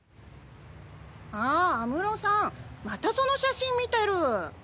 あ安室さんまたその写真見てる。